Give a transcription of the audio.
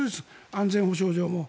安全保障上も。